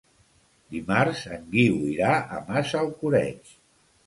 Dimarts en Guiu irà a Massalcoreig.